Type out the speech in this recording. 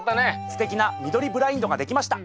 すてきな緑ブラインドが出来ました。